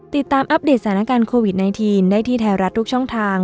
อัปเดตสถานการณ์โควิด๑๙ได้ที่ไทยรัฐทุกช่องทาง